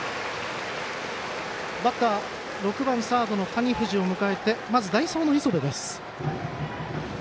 バッター、６番サードの谷藤を迎えてまず、代走の磯部。